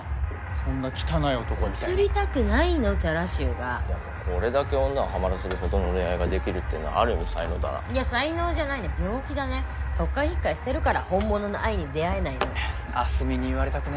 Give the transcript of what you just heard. そんな汚い男みたいにうつりたくないのチャラ臭がでもこれだけ女をハマらせるほどの恋愛ができるってのはある意味才能だないや才能じゃないね病気だね取っ替え引っ替えしてるから本物の愛に出会えないの明日美に言われたくねぇ